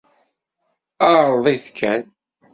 Ԑreḍ-it kan!